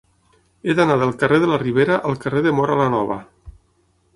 He d'anar del carrer de la Ribera al carrer de Móra la Nova.